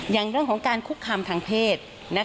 อย่างเรื่องของการคุกคามทางเพศ